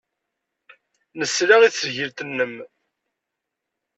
Nesla i tesgilt-nnem.